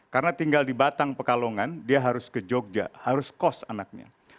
karena tinggal di batang pekalongan dia harus ke jogja harus kos anaknya